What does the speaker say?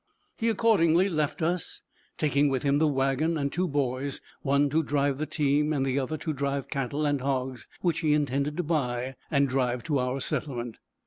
He accordingly left us, taking with him the wagon and two boys, one to drive the team, and another to drive cattle and hogs, which he intended to buy and drive to our settlement.